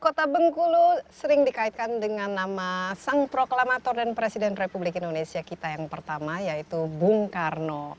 kota bengkulu sering dikaitkan dengan nama sang proklamator dan presiden republik indonesia kita yang pertama yaitu bung karno